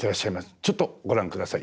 ちょっとご覧下さい。